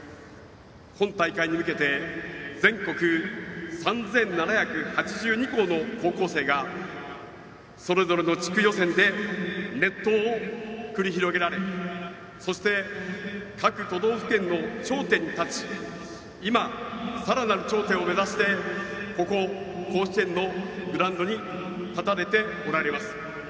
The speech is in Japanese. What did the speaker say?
本大会に向けて全国３７８２校の高校生がそれぞれの地区予選で熱闘を繰り広げられそして、各都道府県の頂点に立ち今、さらなる頂点を目指してここ甲子園のグラウンドに立たれておられます。